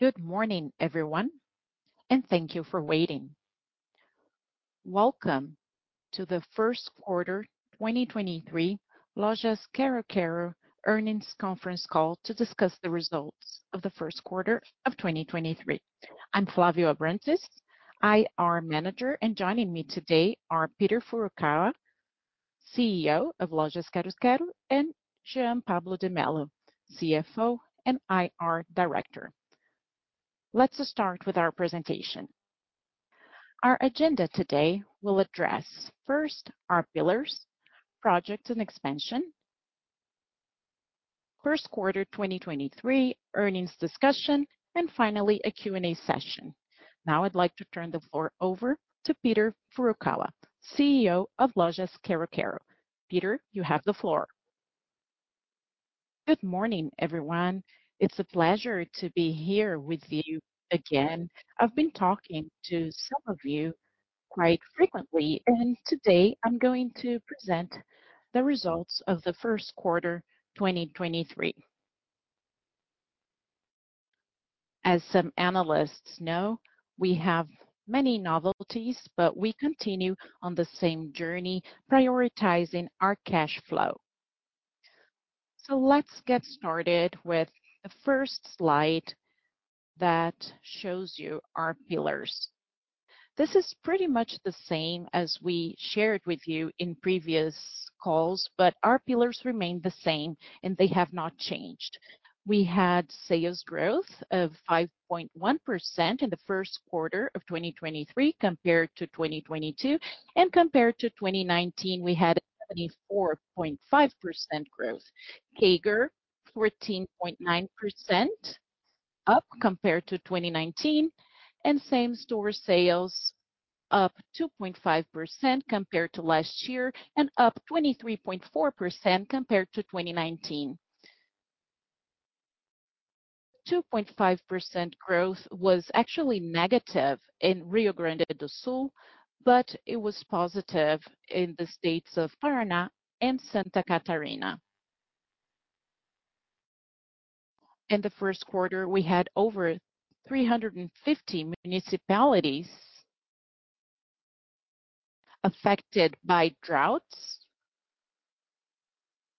Good morning everyone, and thank you for waiting. Welcome to the first quarter 2023 Lojas Quero-Quero earnings conference call to discuss the results of the first quarter of 2023. I'm Flavio Abrantes, IR Manager, and joining me today are Peter Furukawa, CEO of Lojas Quero-Quero, and Jean Pablo de Mello, CFO and IR Director. Let's start with our presentation. Our agenda today will address first our pillars, projects and expansion, first quarter 2023 earnings discussion, and finally a Q&A session. Now I'd like to turn the floor over to Peter Furukawa, CEO of Lojas Quero-Quero. Peter, you have the floor. Good morning, everyone. It's a pleasure to be here with you again. I've been talking to some of you quite frequently, and today I'm going to present the results of the first quarter 2023. As some analysts know, we have many novelties, but we continue on the same journey, prioritizing our cash flow. Let's get started with the first slide that shows you our pillars. This is pretty much the same as we shared with you in previous calls, but our pillars remain the same and they have not changed. We had sales growth of 5.1% in the first quarter of 2023 compared to 2022. Compared to 2019, we had a 74.5% growth. CAGR 14.9% up compared to 2019, and same-store sales up 2.5% compared to last year and up 23.4% compared to 2019. The 2.5% growth was actually negative in Rio Grande do Sul, but it was positive in the states of Paraná and Santa Catarina. In the first quarter, we had over 350 municipalities affected by droughts,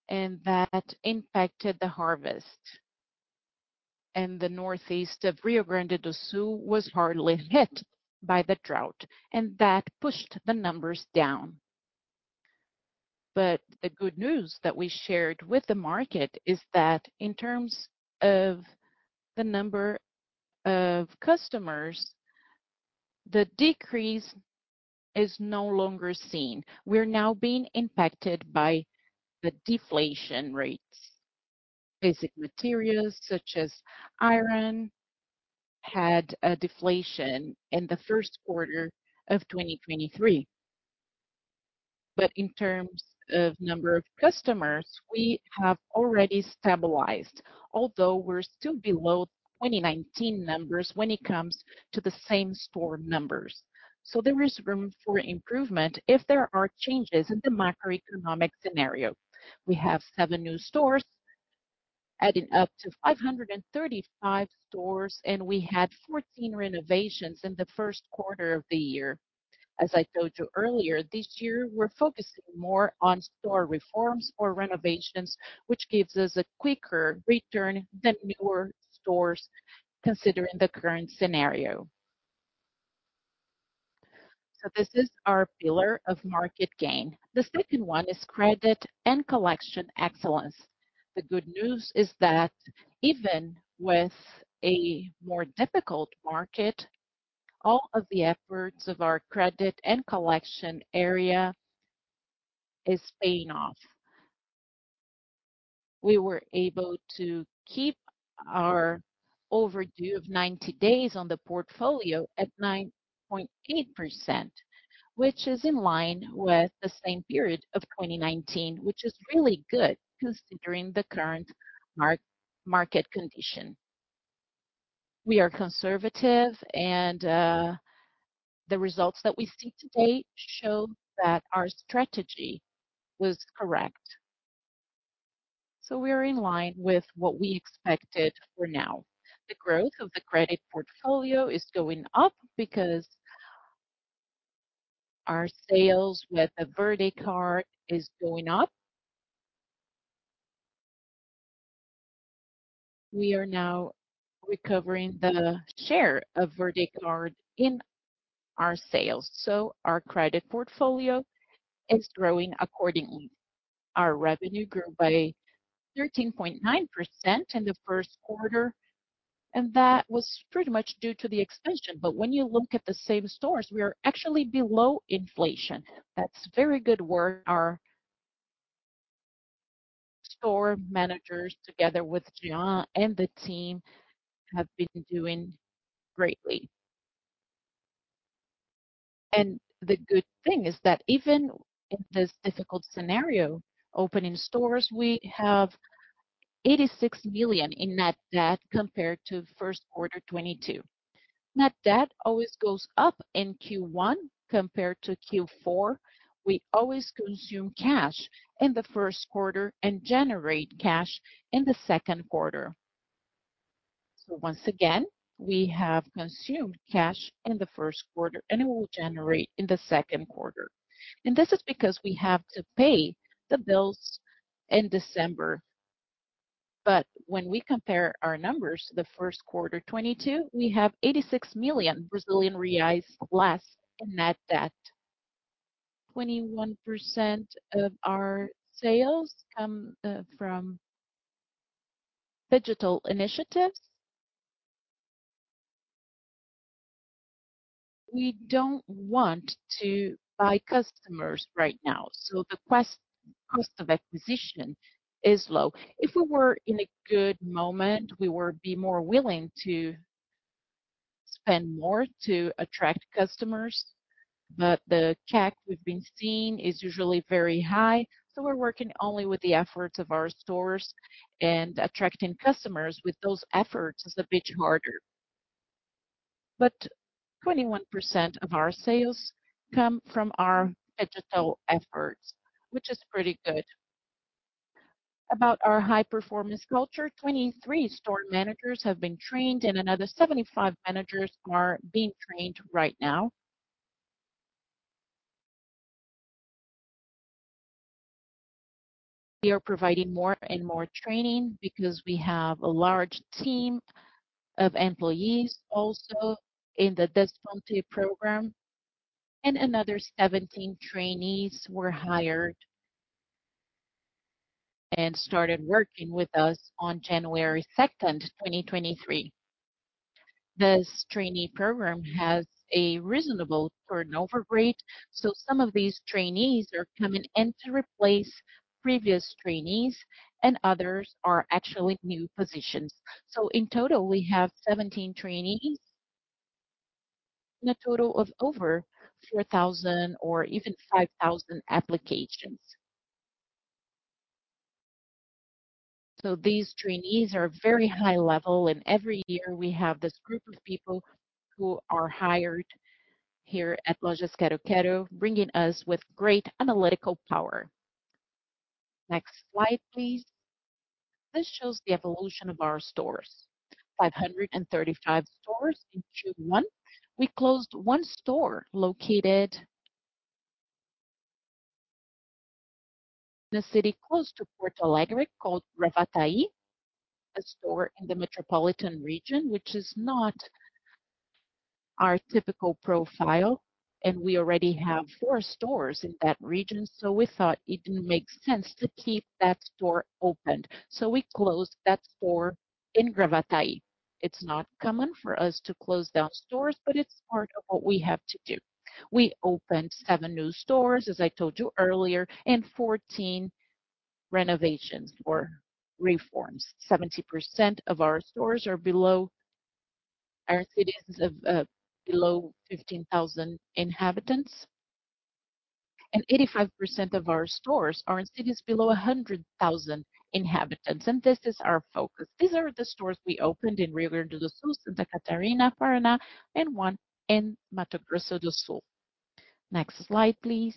and that impacted the harvest. The northeast of Rio Grande do Sul was hardly hit by the drought, and that pushed the numbers down. The good news that we shared with the market is that in terms of the number of customers, the decrease is no longer seen. We're now being impacted by the deflation rates. Basic materials such as iron had a deflation in the first quarter of 2023. In terms of number of customers, we have already stabilized, although we're still below 2019 numbers when it comes to the same store numbers. There is room for improvement if there are changes in the macroeconomic scenario. We have seven new stores adding up to 535 stores. We had 14 renovations in the first quarter of the year. As I told you earlier, this year we're focusing more on store reforms or renovations, which gives us a quicker return than newer stores considering the current scenario. This is our pillar of market gain. Good news is that even with a more difficult market, all of the efforts of our credit and collection area is paying off. We were able to keep our overdue of 90 days on the portfolio at 9.8%, which is in line with the same period of 2019, which is really good considering the current market condition. We are conservative and the results that we see today show that our strategy was correct. We are in line with what we expected for now. The growth of the credit portfolio is going up because our sales with the VerdeCard is going up. We are now recovering the share of VerdeCard in our sales, our credit portfolio is growing accordingly. Our revenue grew by 13.9% in the first quarter, that was pretty much due to the expansion. When you look at the same stores, we are actually below inflation. That's very good work our store managers together with Jean and the team have been doing greatly. The good thing is even in this difficult scenario, opening stores, we have 86 million in net debt compared to first quarter 2022. Net debt always goes up in Q1 compared to Q4. We always consume cash in the first quarter and generate cash in the second quarter. Once again, we have consumed cash in the first quarter, and it will generate in the second quarter. This is because we have to pay the bills in December. When we compare our numbers to the first quarter 2022, we have 86 million Brazilian reais less in net debt. 21% of our sales come from digital initiatives. We don't want to buy customers right now, so the cost of acquisition is low. If we were in a good moment, we would be more willing to spend more to attract customers. The check we've been seeing is usually very high, so we're working only with the efforts of our stores, and attracting customers with those efforts is a bit harder. 21% of our sales come from our digital efforts, which is pretty good. About our high-performance culture, 23 store managers have been trained, and another 75 managers are being trained right now. We are providing more and more training because we have a large team of employees also in the development program. Another 17 trainees were hired and started working with us on January 2nd, 2023. This trainee program has a reasonable turnover rate, some of these trainees are coming in to replace previous trainees, and others are actually new positions. In total, we have 17 trainees and a total of over 4,000 or even 5,000 applications. These trainees are very high level, and every year we have this group of people who are hired here at Lojas Quero-Quero, bringing us with great analytical power. Next slide, please. This shows the evolution of our stores. 535 stores in June 1. We closed one store located in a city close to Porto Alegre called Gravataí, a store in the metropolitan region, which is not our typical profile, we already have four stores in that region. We thought it didn't make sense to keep that store opened. We closed that store in Gravataí. It's not common for us to close down stores, but it's part of what we have to do. We opened seven new stores, as I told you earlier, 14 renovations or reforms. 70% of our stores are cities of below 15,000 inhabitants, 85% of our stores are in cities below 100,000 inhabitants. This is our focus. These are the stores we opened in Rio Grande do Sul, Santa Catarina, Paraná, one in Mato Grosso do Sul. Next slide, please.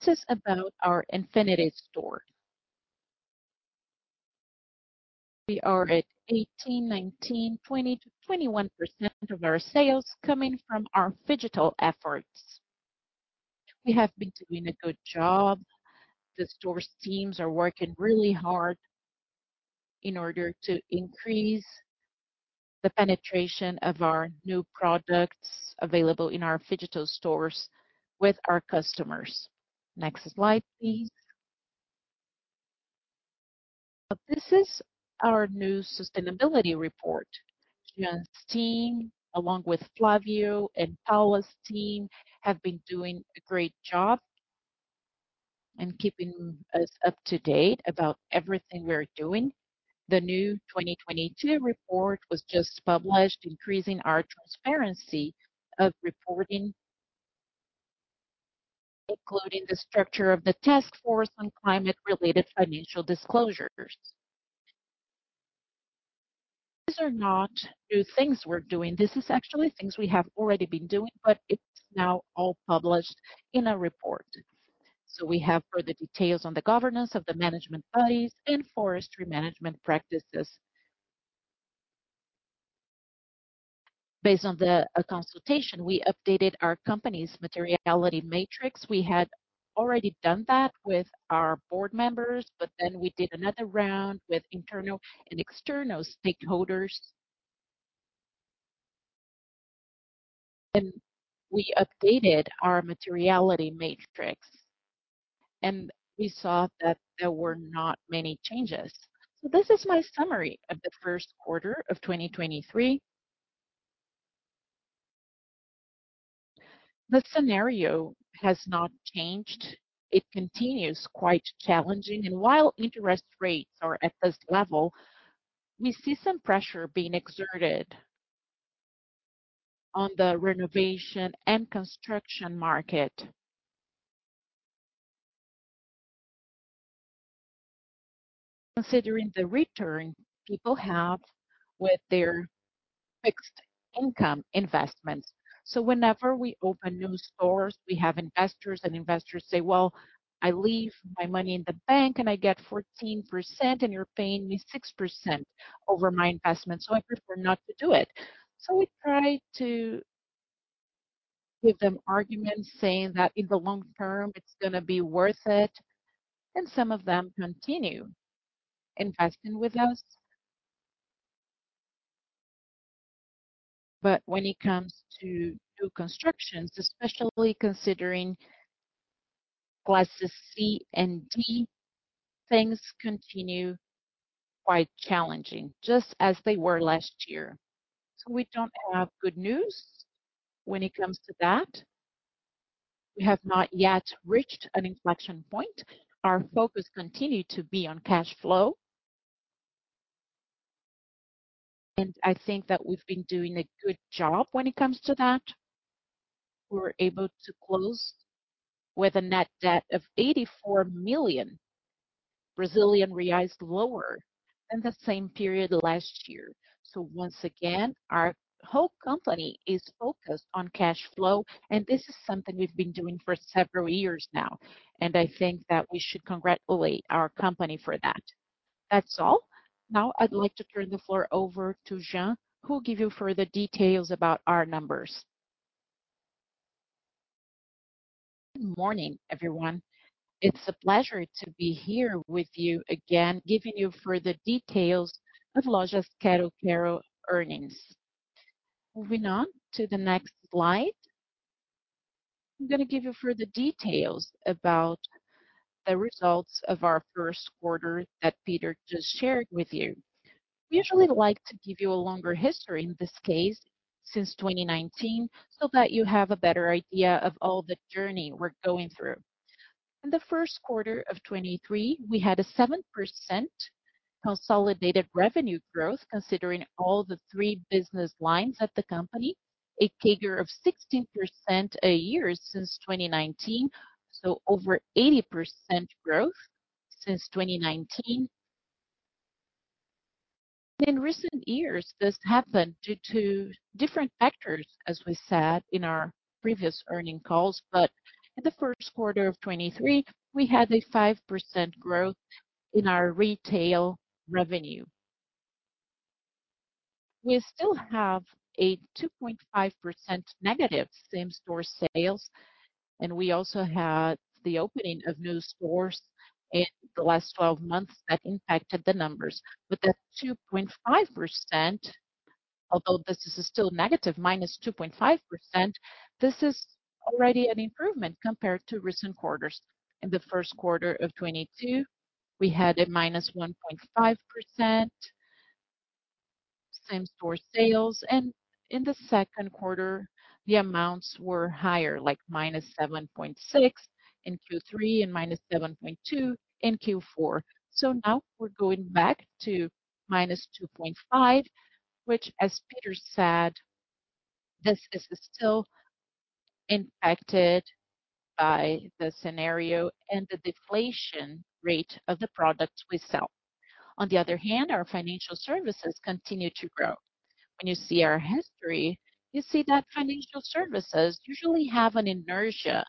This is about our Loja Infinita. We are at 18%, 19%, 20%-21% of our sales coming from our phygital efforts. We have been doing a good job. The stores' teams are working really hard in order to increase the penetration of our new products available in our phygital stores with our customers. Next slide, please. This is our new sustainability report. Jeans team, along with Flavio and Paula's team, have been doing a great job in keeping us up to date about everything we're doing. The new 2022 report was just published, increasing our transparency of reporting, including the structure of the Task Force on Climate-related Financial Disclosures. These are not new things we're doing. This is actually things we have already been doing, but it's now all published in a report. We have further details on the governance of the management bodies and forestry management practices. Based on the consultation, we updated our company's materiality matrix. We had already done that with our board members, we did another round with internal and external stakeholders. We updated our materiality matrix, and we saw that there were not many changes. This is my summary of the first quarter of 2023. The scenario has not changed. It continues quite challenging. While interest rates are at this level, we see some pressure being exerted on the renovation and construction market. Considering the return people have with their fixed income investments. Whenever we open new stores, we have investors, and investors say, "Well, I leave my money in the bank and I get 14%, and you're paying me 6% over my investment, so I prefer not to do it." We try to give them arguments saying that in the long term it's gonna be worth it, and some of them continue investing with us. When it comes to new constructions, especially considering classes C and D, things continue quite challenging, just as they were last year. We don't have good news when it comes to that. We have not yet reached an inflection point. Our focus continued to be on cash flow. I think that we've been doing a good job when it comes to that. We were able to close with a net debt of 84 million Brazilian reais lower than the same period last year. Once again, our whole company is focused on cash flow, and this is something we've been doing for several years now, and I think that we should congratulate our company for that. That's all. Now I'd like to turn the floor over to Jean, who'll give you further details about our numbers. Good morning, everyone. It's a pleasure to be here with you again, giving you further details of Lojas Quero-Quero's earnings. Moving on to the next slide. I'm gonna give you further details about the results of our first quarter that Peter just shared with you. We usually like to give you a longer history, in this case since 2019, so that you have a better idea of all the journey we're going through. In the first quarter of 2023, we had a 7% consolidated revenue growth, considering all the three business lines at the company. A CAGR of 16% a year since 2019, so over 80% growth since 2019. In recent years, this happened due to different factors, as we said in our previous earnings calls. In the first quarter of 2023, we had a 5% growth in our retail revenue. We still have a 2.5% negative same-store sales, and we also had the opening of new stores in the last 12 months that impacted the numbers. With the 2.5%, although this is still negative, -2.5%, this is already an improvement compared to recent quarters. In the first quarter of 2022, we had a -1.5% same-store sales. In the second quarter, the amounts were higher, like -7.6% in Q3 and -7.2% in Q4. Now we're going back to -2.5%, which, as Peter said, this is still impacted by the scenario and the deflation rate of the products we sell. On the other hand, our financial services continue to grow. When you see our history, you see that financial services usually have an inertia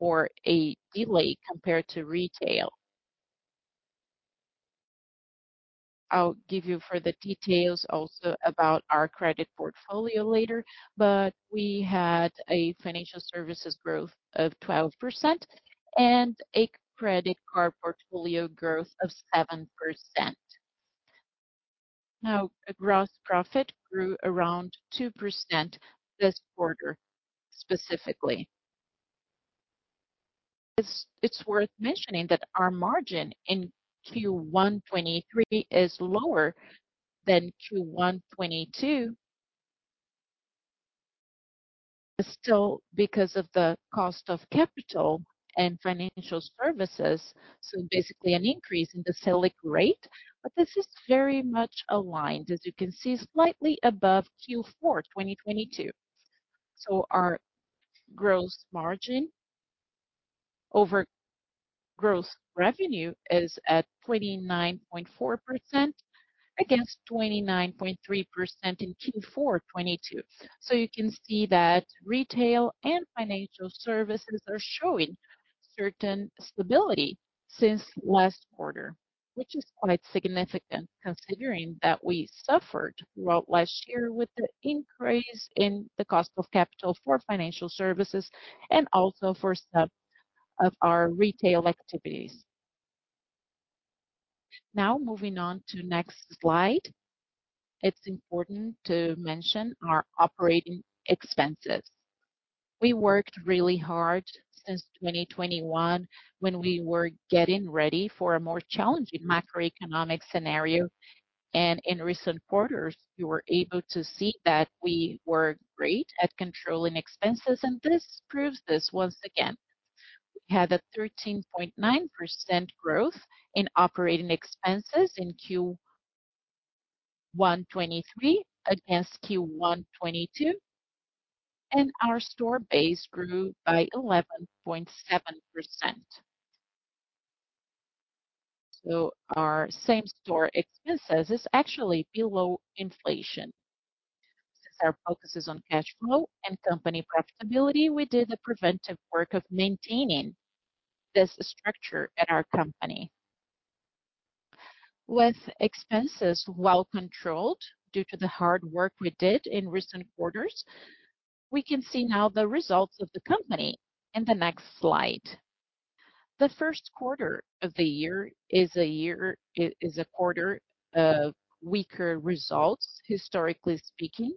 or a delay compared to retail. I'll give you further details also about our credit portfolio later. We had a financial services growth of 12% and a credit card portfolio growth of 7%. The gross profit grew around 2% this quarter, specifically. It's worth mentioning that our margin in Q1 2023 is lower than Q1 2022. Because of the cost of capital and financial services, basically an increase in the Selic rate. This is very much aligned, as you can see, slightly above Q4 2022. Our gross margin over gross revenue is at 29.4% against 29.3% in Q4 2022. You can see that retail and financial services are showing certain stability since last quarter, which is quite significant considering that we suffered throughout last year with the increase in the cost of capital for financial services and also for some of our retail activities. Moving on to next slide. It's important to mention our operating expenses. We worked really hard since 2021 when we were getting ready for a more challenging macroeconomic scenario. In recent quarters, you were able to see that we were great at controlling expenses. This proves this once again. We had a 13.9% growth in OpEx in Q1 2023 against Q1 2022. Our store base grew by 11.7%. Our same store expenses is actually below inflation. Since our focus is on cash flow and company profitability, we did a preventive work of maintaining this structure at our company. With expenses well controlled due to the hard work we did in recent quarters, we can see now the results of the company in the next slide. The first quarter of the year is a quarter of weaker results, historically speaking.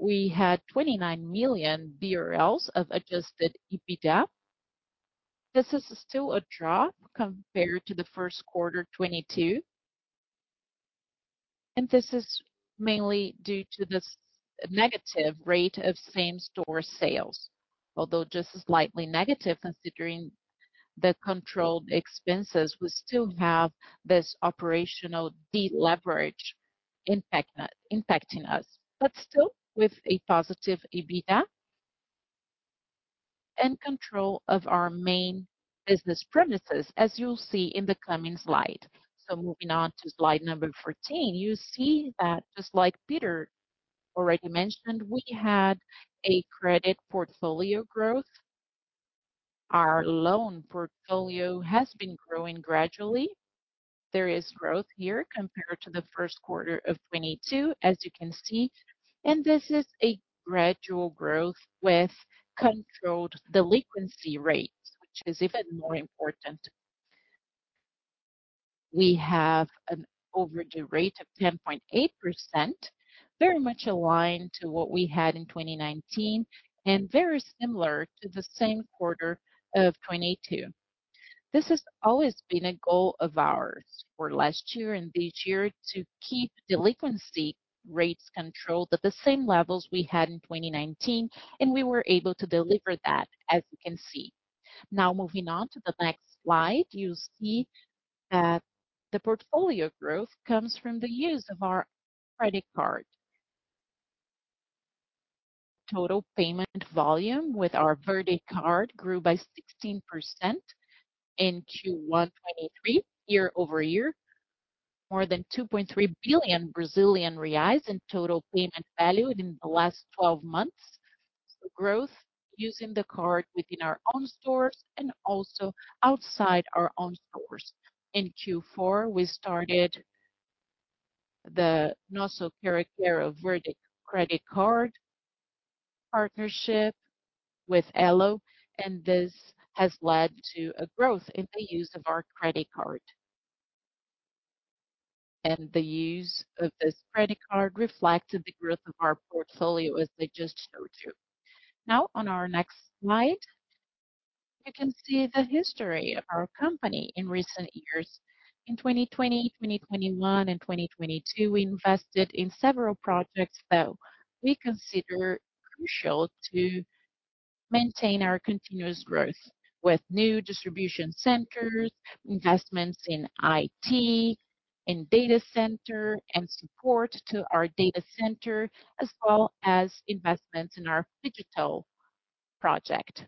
We had 29 million BRL of adjusted EBITDA. This is still a drop compared to the first quarter 2022. This is mainly due to this negative rate of same-store sales. Although just slightly negative considering the controlled expenses, we still have this operational deleverage impacting us, but still with a positive EBITDA and control of our main business premises, as you'll see in the coming slide. Moving on to slide number 14, you see that just like Peter already mentioned, we had a credit portfolio growth. Our loan portfolio has been growing gradually. There is growth here compared to the first quarter of 2022, as you can see, and this is a gradual growth with controlled delinquency rates, which is even more important. We have an overdue rate of 10.8%, very much aligned to what we had in 2019 and very similar to the same quarter of 2022. This has always been a goal of ours for last year and this year to keep delinquency rates controlled at the same levels we had in 2019. We were able to deliver that as you can see. Moving on to the next slide, you see that the portfolio growth comes from the use of our credit card. Total payment volume with our VerdeCard grew by 16% in Q1 2023 year-over-year. More than 2.3 billion Brazilian reais in total payment value in the last 12 months. Growth using the card within our own stores and also outside our own stores. In Q4, we started the Nosso Card Credit Card partnership with Elo. This has led to a growth in the use of our credit card. The use of this credit card reflected the growth of our portfolio as I just showed you. Now on our next slide, you can see the history of our company in recent years. In 2020, 2021, and 2022, we invested in several projects that we consider crucial to maintain our continuous growth with new distribution centers, investments in IT, in data center and support to our data center, as well as investments in our digital project.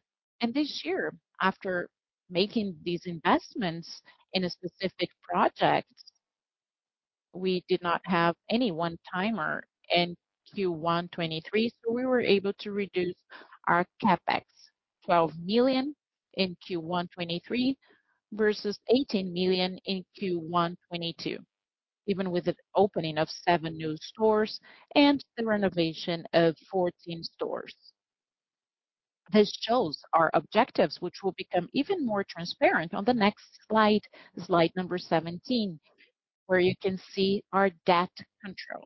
This year, after making these investments in a specific project, we did not have any one-timer in Q1 2023, we were able to reduce our CapEx 12 million in Q1 2023 versus 18 million in Q1 2022, even with an opening of seven new stores and the renovation of 14 stores. This shows our objectives, which will become even more transparent on the next slide number 17, where you can see our debt control.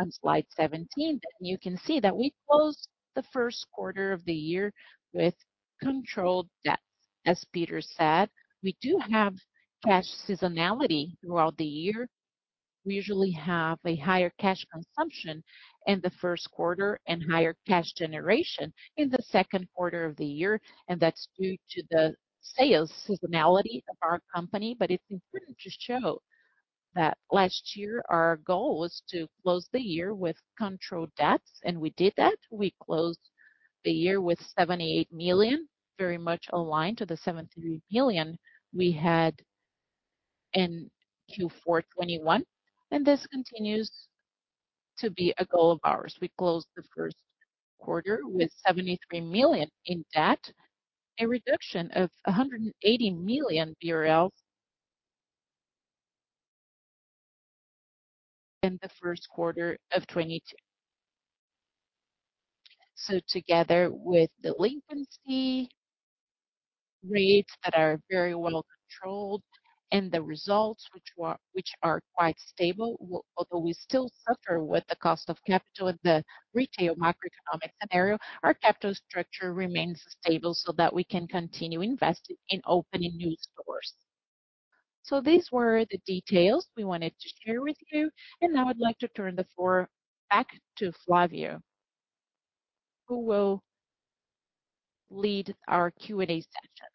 On slide 17, you can see that we closed the first quarter of the year with controlled debts. As Peter said, we do have cash seasonality throughout the year. We usually have a higher cash consumption in the first quarter and higher cash generation in the second quarter of the year, and that's due to the sales seasonality of our company. It's important to show that last year our goal was to close the year with controlled debts, and we did that. We closed the year with 78 million, very much aligned to the 73 million we had in Q4 2021, and this continues to be a goal of ours. We closed the first quarter with 73 million in debt, a reduction of 180 million BRL than the first quarter of 2022. Together with delinquency rates that are very well controlled and the results which are quite stable, although we still suffer with the cost of capital in the retail macroeconomic scenario, our capital structure remains stable so that we can continue investing in opening new stores. These were the details we wanted to share with you. Now I'd like to turn the floor back to Flavio, who will lead our Q&A session.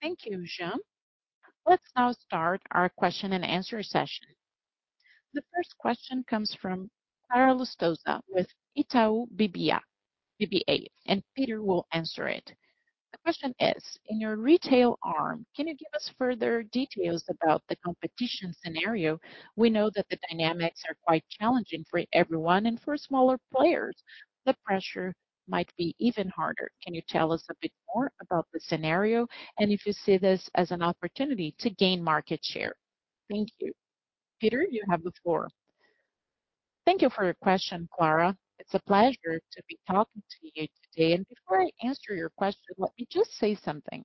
Thank you, Jean. Let's now start our question and answer session. The first question comes from Clara Lustosa with Itaú BBA, and Peter will answer it. The question is: In your retail arm, can you give us further details about the competition scenario? We know that the dynamics are quite challenging for everyone, for smaller players, the pressure might be even harder. Can you tell us a bit more about the scenario and if you see this as an opportunity to gain market share? Thank you. Peter, you have the floor. Thank you for your question, Clara. It's a pleasure to be talking to you today. Before I answer your question, let me just say something.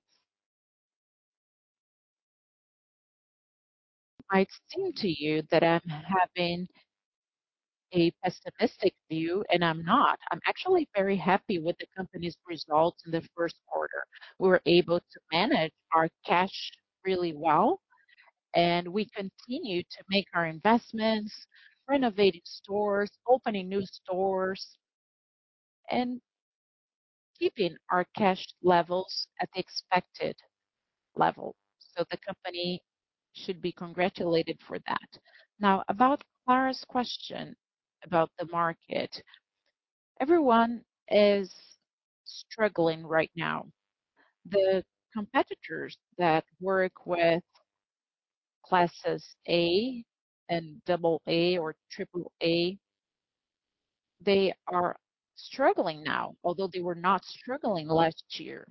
It might seem to you that I'm having a pessimistic view, and I'm not. I'm actually very happy with the company's results in the first quarter. We were able to manage our cash really well, and we continued to make our investments, renovating stores, opening new stores, and keeping our cash levels at the expected level. The company should be congratulated for that. Now, about Clara's question about the market. Everyone is struggling right now. The competitors that work with Classes A and double A or triple A, they are struggling now, although they were not struggling last year.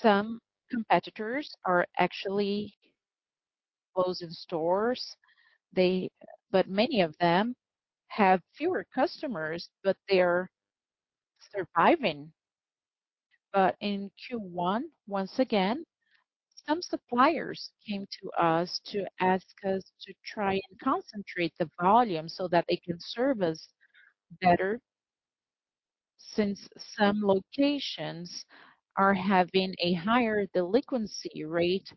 Some competitors are actually closing stores. Many of them have fewer customers, but they're surviving. In Q1, once again, some suppliers came to us to ask us to try and concentrate the volume so that they can serve us better since some locations are having a higher delinquency rate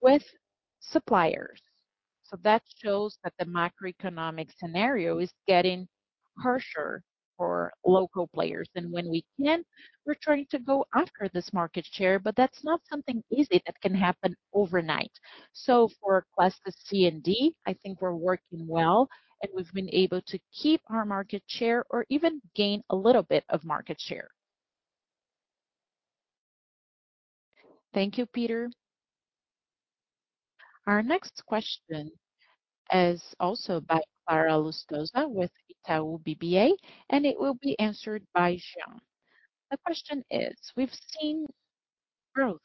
with suppliers. That shows that the macroeconomic scenario is getting harsher for local players. When we can, we're trying to go after this market share, but that's not something easy that can happen overnight. For Classes C and D, I think we're working well, and we've been able to keep our market share or even gain a little bit of market share. Thank you, Peter. Our next question is also by Clara Lustosa with Itaú BBA. It will be answered by Jean. The question is: We've seen growth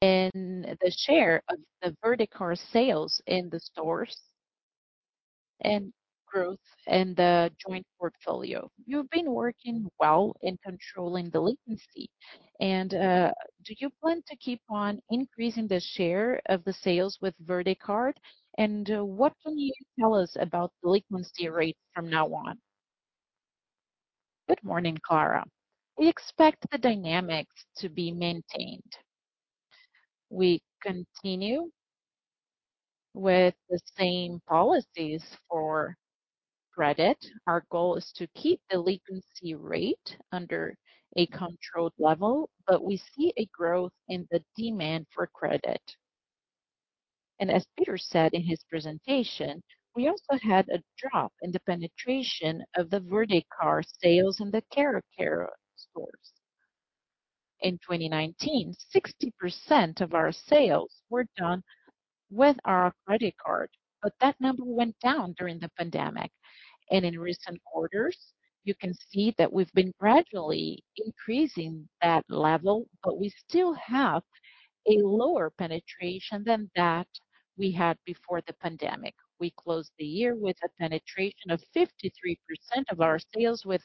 in the share of the VerdeCard sales in the stores and growth in the joint portfolio. You've been working well in controlling delinquency. Do you plan to keep on increasing the share of the sales with VerdeCard? What can you tell us about delinquency rates from now on? Good morning, Clara. We expect the dynamics to be maintained. We continue with the same policies for credit. Our goal is to keep delinquency rate under a controlled level, but we see a growth in the demand for credit. As Peter said in his presentation, we also had a drop in the penetration of the VerdeCard sales in the Quero-Quero stores. In 2019, 60% of our sales were done with our credit card, but that number went down during the pandemic. In recent quarters, you can see that we've been gradually increasing that level, but we still have a lower penetration than that we had before the pandemic. We closed the year with a penetration of 53% of our sales with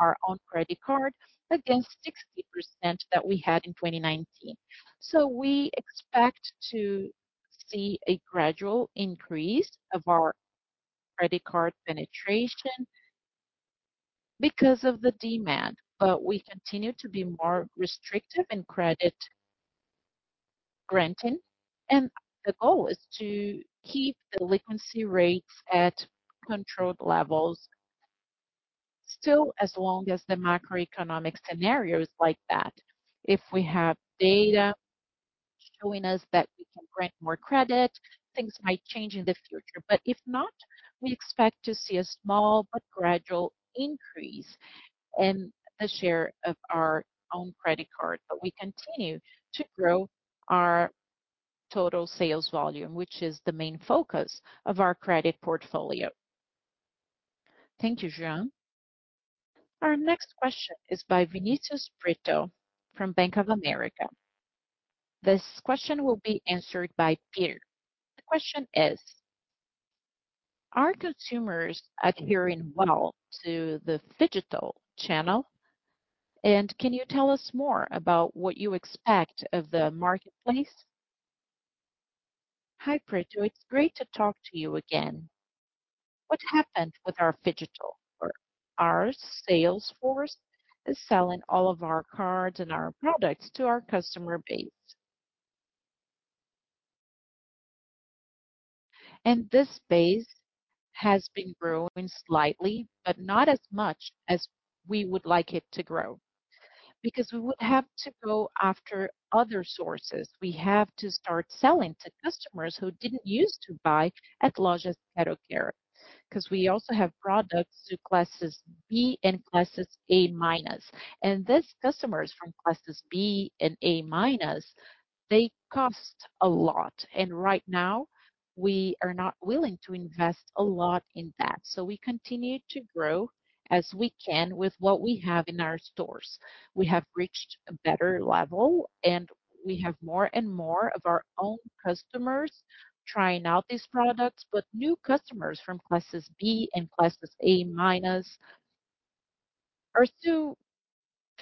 our own credit card against 60% that we had in 2019. We expect to see a gradual increase of our credit card penetration because of the demand, but we continue to be more restrictive in credit granting. The goal is to keep delinquency rates at controlled levels still as long as the macroeconomic scenario is like that. If we have data showing us that we can grant more credit, things might change in the future. If not, we expect to see a small but gradual increase in the share of our own credit card. We continue to grow our total sales volume, which is the main focus of our credit portfolio. Thank you, Jean. Our next question is by Vinicius Pretto from Bank of America. This question will be answered by Peter. The question is: Are consumers adhering well to the phygital channel? Can you tell us more about what you expect of the marketplace? Hi, Pretto. It's great to talk to you again. What happened with our phygital? Our sales force is selling all of our cards and our products to our customer base. This base has been growing slightly, but not as much as we would like it to grow because we would have to go after other sources. We have to start selling to customers who didn't use to buy at largest quero-quero, 'cause we also have products to classes B and classes A minus. These customers from classes B and A minus, they cost a lot. Right now we are not willing to invest a lot in that. We continue to grow as we can with what we have in our stores. We have reached a better level, and we have more and more of our own customers trying out these products. New customers from classes B and classes A minus are still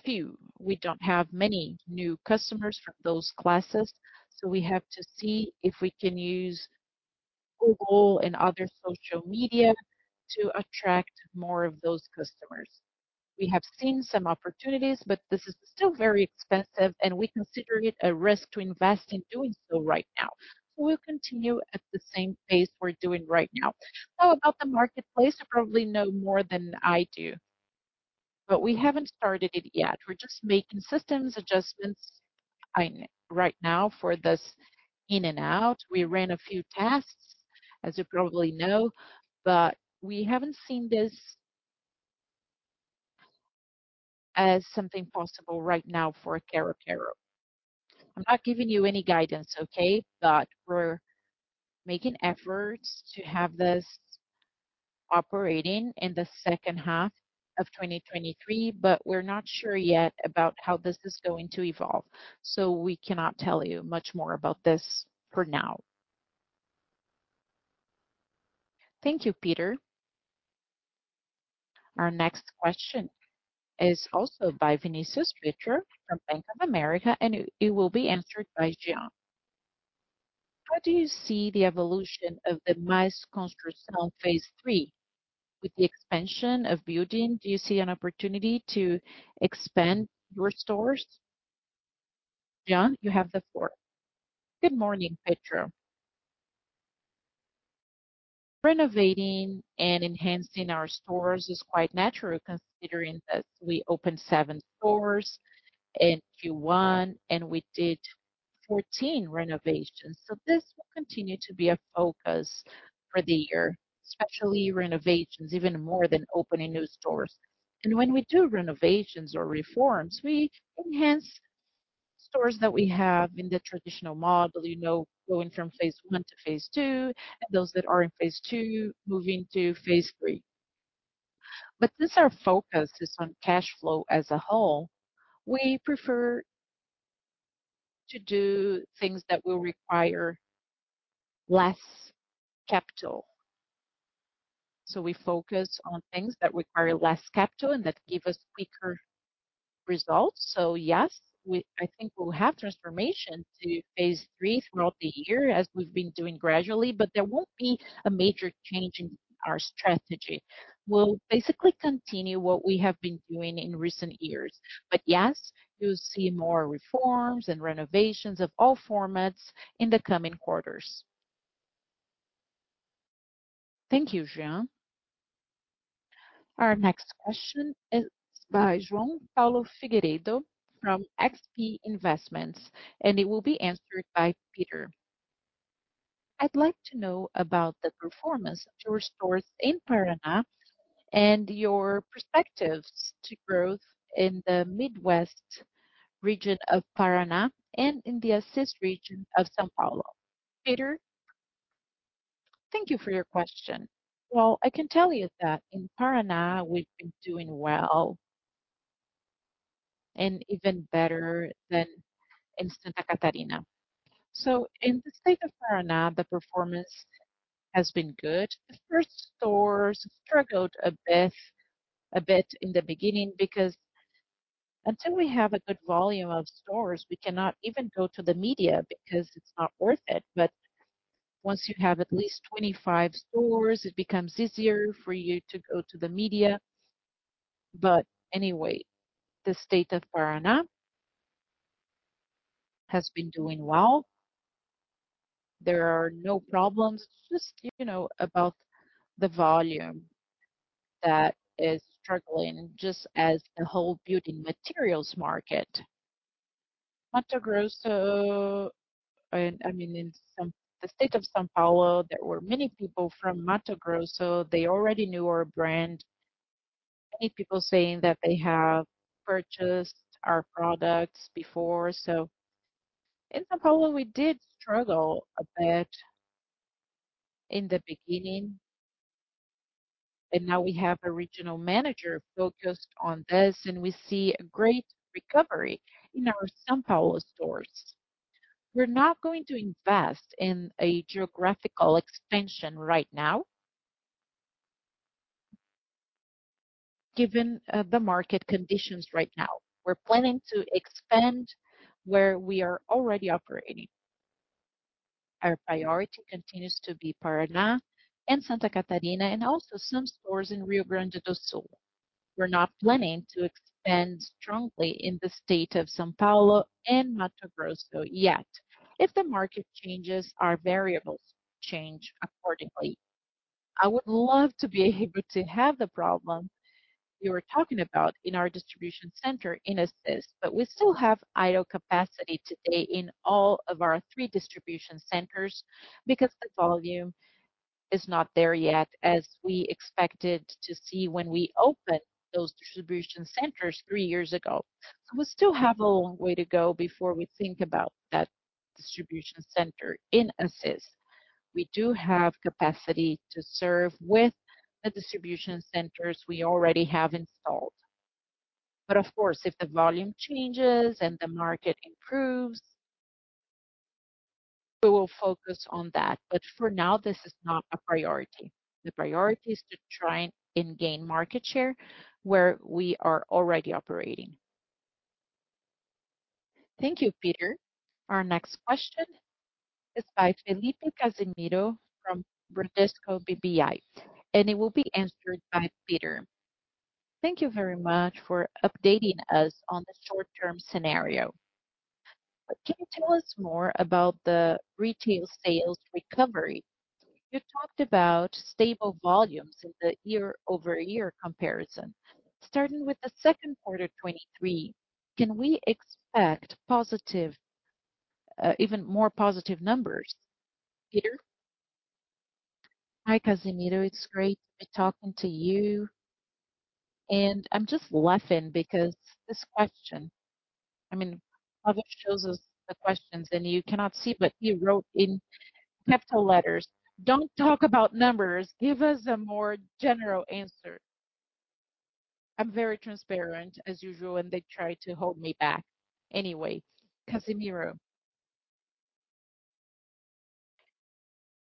few. We don't have many new customers from those classes, so we have to see if we can use Google and other social media to attract more of those customers. We have seen some opportunities, this is still very expensive and we consider it a risk to invest in doing so right now. We'll continue at the same pace we're doing right now. How about the marketplace? You probably know more than I do, we haven't started it yet. We're just making systems adjustments right now for this in and out. We ran a few tests, as you probably know, but we haven't seen this as something possible right now for a Quero- Quero. I'm not giving you any guidance, okay? We're making efforts to have this operating in the second half of 2023, but we're not sure yet about how this is going to evolve, so we cannot tell you much more about this for now. Thank you, Peter. Our next question is also by Vinicius Pretto from Bank of America. It will be answered by Jean. How do you see the evolution of the Mais Construção phase III? With the expansion of building, do you see an opportunity to expand your stores? Jean, you have the floor. Good morning, Pettro. Renovating and enhancing our stores is quite natural considering that we opened seven stores in Q1. We did 14 renovations. This will continue to be a focus for the year, especially renovations, even more than opening new stores. When we do renovations or reforms, we enhance stores that we have in the traditional model, you know, going from phase I to phase II. Those that are in phase II moving to phase III. Since our focus is on cash flow as a whole, we prefer to do things that will require less capital. We focus on things that require less capital and that give us quicker results. Yes, I think we'll have transformation to phase III throughout the year as we've been doing gradually, but there won't be a major change in our strategy. We'll basically continue what we have been doing in recent years. Yes, you'll see more reforms and renovations of all formats in the coming quarters. Thank you, Jean. Our next question is by Joao Paulo Figueiredo from XP Investments, and it will be answered by Peter. I'd like to know about the performance of your stores in Paraná and your perspectives to growth in the Midwest region of Paraná and in the Assis region of São Paulo. Peter? Thank you for your question. Well, I can tell you that in Paraná, we've been doing well and even better than in Santa Catarina. In the state of Paraná, the performance has been good. The first stores struggled a bit in the beginning because until we have a good volume of stores, we cannot even go to the media because it's not worth it. Once you have at least 25 stores, it becomes easier for you to go to the media. Anyway, the state of Paraná has been doing well. There are no problems, just, you know, about the volume that is struggling just as the whole building materials market. Mato Grosso, I mean, the state of São Paulo, there were many people from Mato Grosso. They already knew our brand. Many people saying that they have purchased our products before. In São Paulo, we did struggle a bit in the beginning, and now we have a regional manager focused on this, and we see a great recovery in our São Paulo stores. We're not going to invest in a geographical expansion right now. Given the market conditions right now, we're planning to expand where we are already operating. Our priority continues to be Paraná and Santa Catarina, and also some stores in Rio Grande do Sul. We're not planning to expand strongly in the state of São Paulo and Mato Grosso yet. If the market changes, our variables change accordingly. I would love to be able to have the problem you were talking about in our distribution center in Assis, but we still have idle capacity today in all of our 3 distribution centers because the volume is not there yet, as we expected to see when we opened those distribution centers three years ago. We still have a long way to go before we think about that distribution center in Assis. We do have capacity to serve with the distribution centers we already have installed. Of course, if the volume changes and the market improves, we will focus on that. For now, this is not a priority. The priority is to try and gain market share where we are already operating. Thank you, Peter. Our next question is by Felipe Casimiro from Bradesco BBI, and it will be answered by Peter. Thank you very much for updating us on the short-term scenario. Can you tell us more about the retail sales recovery? You talked about stable volumes in the year-over-year comparison. Starting with the second quarter 2023, can we expect even more positive numbers? Peter? Hi, Casimiro. It's great talking to you. I'm just laughing because this question, I mean, Flavio shows us the questions, and you cannot see, but he wrote in capital letters, "Don't talk about numbers. Give us a more general answer." I'm very transparent as usual, and they try to hold me back. Casimiro,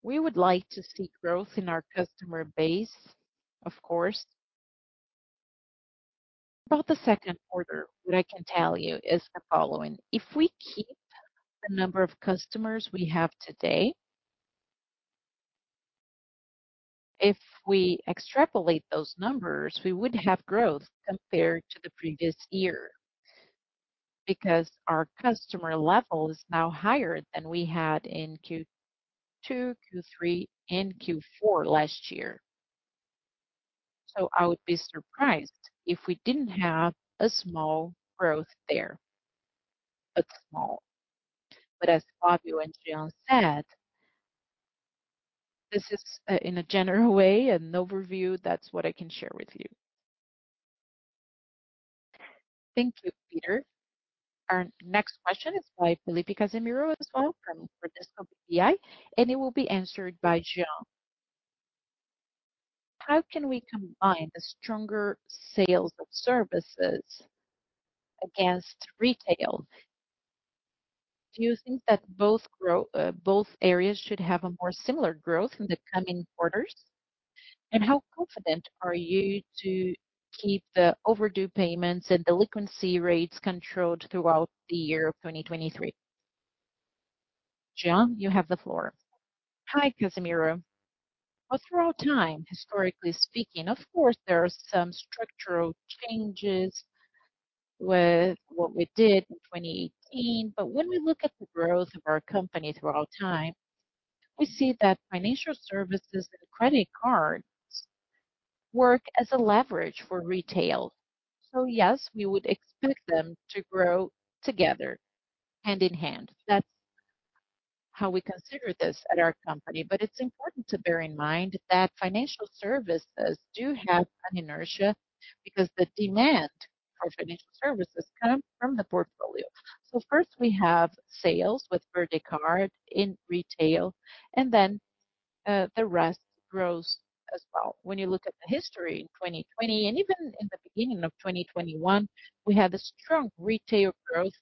we would like to see growth in our customer base, of course. About the second quarter, what I can tell you is the following: If we keep the number of customers we have today, if we extrapolate those numbers, we would have growth compared to the previous year because our customer level is now higher than we had in Q2, Q3, and Q4 last year. I would be surprised if we didn't have a small growth there. Small. As Flavio and Jean said, this is in a general way an overview. That's what I can share with you. Thank you, Peter. Our next question is by Felipe Casimiro as well from Bradesco BBI, and it will be answered by Jean. How can we combine the stronger sales of services against retail? Do you think that both areas should have a more similar growth in the coming quarters? How confident are you to keep the overdue payments and delinquency rates controlled throughout the year 2023? Jean, you have the floor. Hi, Casimiro. Well, through time, historically speaking, of course, there are some structural changes with what we did in 2018. When we look at the growth of our company through all time, we see that financial services and credit cards work as a leverage for retail. Yes, we would expect them to grow together hand in hand. That's how we consider this at our company. It's important to bear in mind that financial services do have an inertia because the demand for financial services come from the portfolio. First, we have sales with VerdeCard in retail, and then the rest grows as well. When you look at the history in 2020 and even in the beginning of 2021, we had a strong retail growth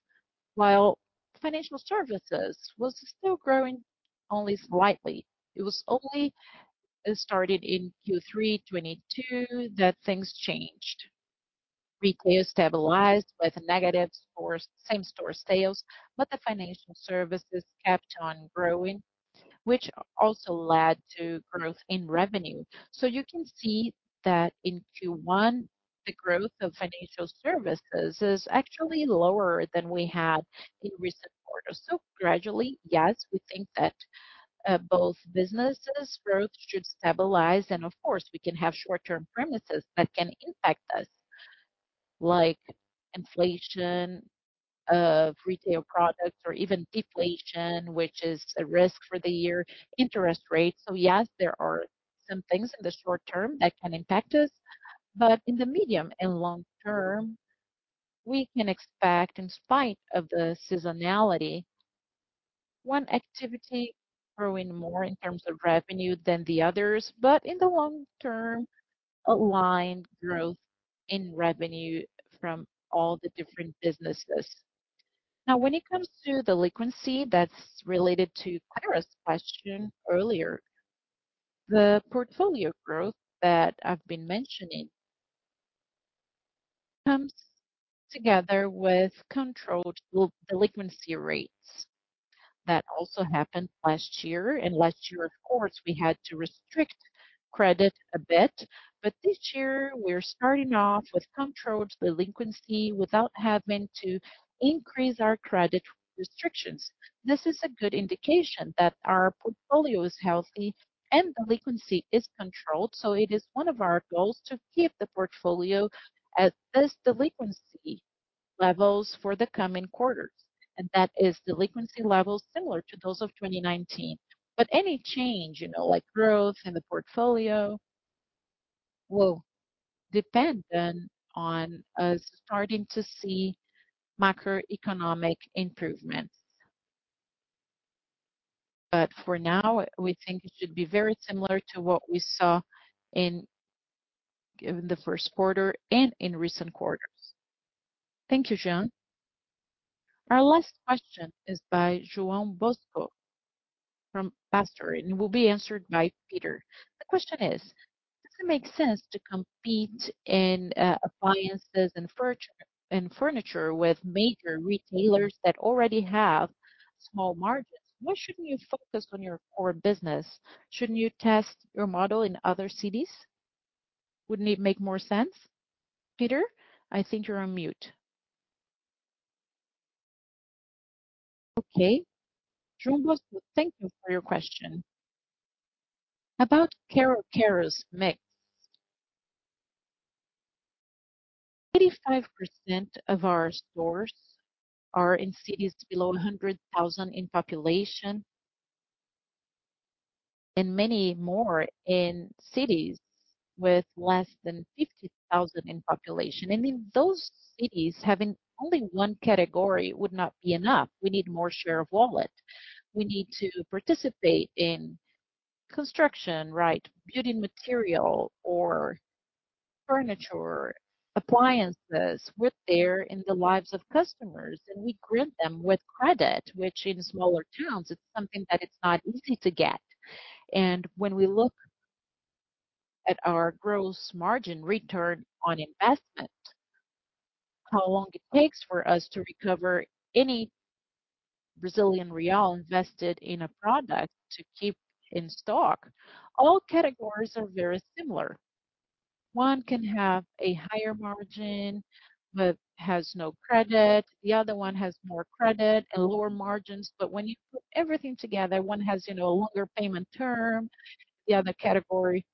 while financial services was still growing only slightly. It started in Q3 2022 that things changed. Retail stabilized with a negative same-store sales, the financial services kept on growing, which also led to growth in revenue. You can see that in Q1, the growth of financial services is actually lower than we had in recent quarters. Gradually, yes, we think that both businesses' growth should stabilize. Of course, we can have short-term premises that can impact us, like inflation of retail products or even deflation, which is a risk for the year, interest rates. Yes, there are some things in the short term that can impact us. In the medium and long term, we can expect, in spite of the seasonality, one activity growing more in terms of revenue than the others, but in the long term, aligned growth in revenue from all the different businesses. When it comes to delinquency, that's related to Clara's question earlier. The portfolio growth that I've been mentioning comes together with controlled delinquency rates. That also happened last year. Last year, of course, we had to restrict credit a bit. This year we're starting off with controlled delinquency without having to increase our credit restrictions. This is a good indication that our portfolio is healthy and delinquency is controlled. It is one of our goals to keep the portfolio at this delinquency levels for the coming quarters, and that is delinquency levels similar to those of 2019. Any change, you know, like growth in the portfolio will depend then on us starting to see macroeconomic improvements. For now, we think it should be very similar to what we saw in the first quarter and in recent quarters. Thank you, Jean. Our last question is by Joao Bosco from [Pastorate] and will be answered by Peter. The question is: Does it make sense to compete in appliances and furniture with major retailers that already have small margins? Why shouldn't you focus on your core business? Shouldn't you test your model in other cities? Wouldn't it make more sense? Peter, I think you're on mute. Okay. Joao Bosco, thank you for your question. About Quero-Quero's mix. 85% of our stores are in cities below 100,000 in population and many more in cities with less than 50,000 in population. In those cities, having only one category would not be enough. We need more share of wallet. We need to participate in construction, right, building material or furniture, appliances. We're there in the lives of customers, and we grant them with credit, which in smaller towns it's something that it's not easy to get. When we look at our gross margin return on investment, how long it takes for us to recover any Brazilian real invested in a product to keep in stock, all categories are very similar. One can have a higher margin but has no credit. The other one has more credit and lower margins. When you put everything together, one has, you know, a longer payment term, the other category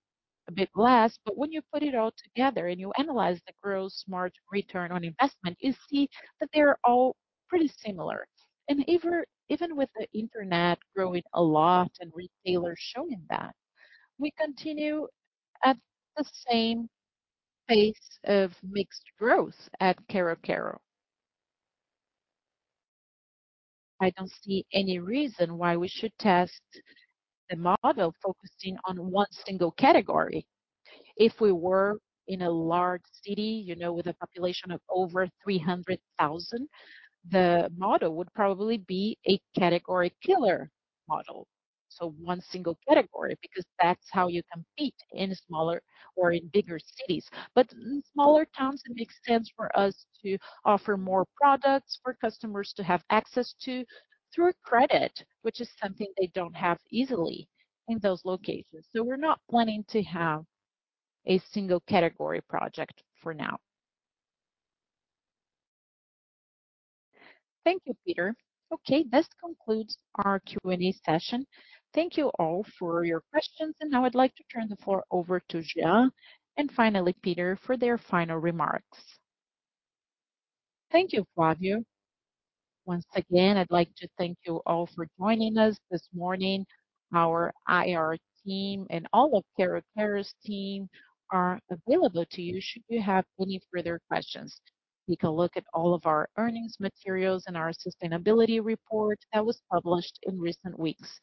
a bit less. When you put it all together and you analyze the gross margin return on investment, you see that they are all pretty similar. Even with the internet growing a lot and retailers showing that we continue at the same pace of mixed growth at Quero-Quero. I don't see any reason why we should test the model focusing on one single category. If we were in a large city, you know, with a population of over 300,000, the model would probably be a category killer model. One single category, because that's how you compete in smaller or in bigger cities. In smaller towns, it makes sense for us to offer more products for customers to have access to through credit, which is something they don't have easily in those locations. We're not planning to have a single category project for now. Thank you, Peter. Okay, this concludes our Q&A session. Thank you all for your questions. Now I'd like to turn the floor over to Jean and finally Peter for their final remarks. Thank you, Flavio. Once again, I'd like to thank you all for joining us this morning. Our IR team and all of Quero-Quero's team are available to you should you have any further questions. You can look at all of our earnings materials and our sustainability report that was published in recent weeks.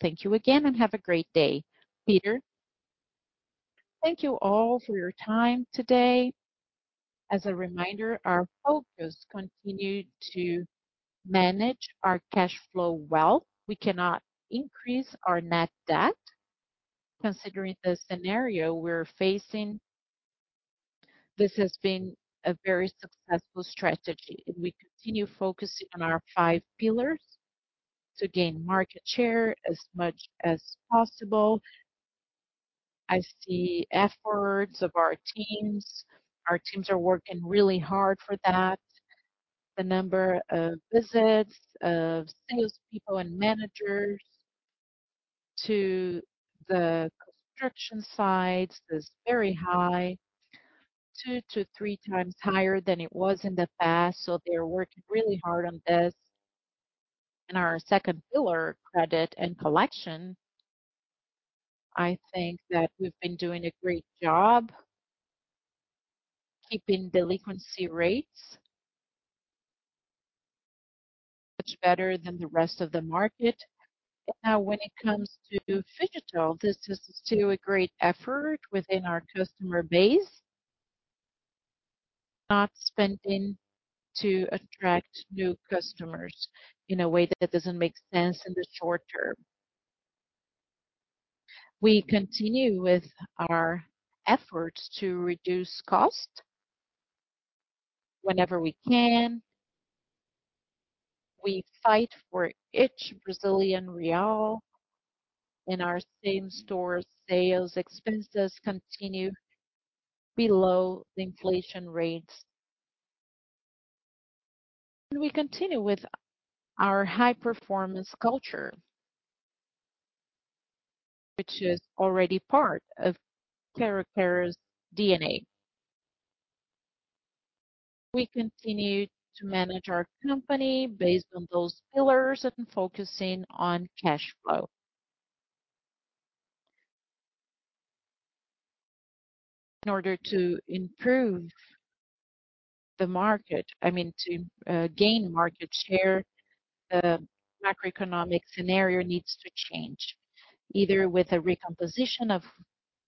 Thank you again and have a great day. Peter. Thank you all for your time today. As a reminder, our focus continued to manage our cash flow well. We cannot increase our net debt considering the scenario we're facing. This has been a very successful strategy, and we continue focusing on our five pillars to gain market share as much as possible. I see efforts of our teams. Our teams are working really hard for that. The number of visits of salespeople and managers to the construction sites is very high, two to three times higher than it was in the past, so they're working really hard on this. In our second pillar, credit and collection, I think that we've been doing a great job keeping delinquency rates much better than the rest of the market. Now, when it comes to phygital, this is still a great effort within our customer base, not spending to attract new customers in a way that doesn't make sense in the short term. We continue with our efforts to reduce cost whenever we can. We fight for each BRL in our same-store sales. Expenses continue below the inflation rates. We continue with our high-performance culture, which is already part of Quero-Quero's DNA. We continue to manage our company based on those pillars and focusing on cash flow. In order to, I mean, to gain market share, the macroeconomic scenario needs to change either with a recomposition of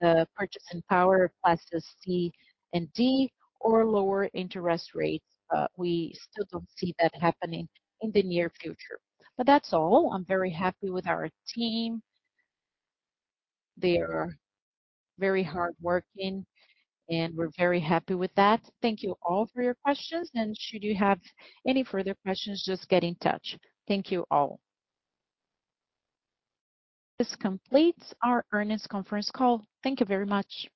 the purchasing power classes C and D or lower interest rates. We still don't see that happening in the near future. That's all. I'm very happy with our team. They are very hardworking, and we're very happy with that. Thank you all for your questions. Should you have any further questions, just get in touch. Thank you all. This completes our earnings conference call. Thank you very much.